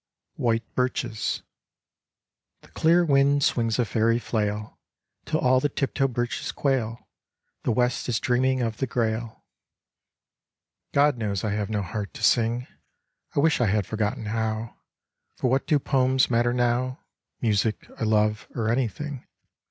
White Birches The clear wind swings a fairy flail Till all the tiptoe birches quail. The west is dreaming of the Grail. God knows I have no heart to sing ! I wish I had forgotten how, For what do poems matter now, Music or love or anything?